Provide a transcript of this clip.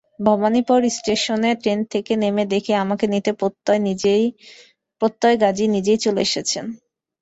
ভবানীপুর স্টেশনে ট্রেন থেকে নেমে দেখি, আমাকে নিতে প্রত্যয় গাজি নিজেই চলে এসেছেন।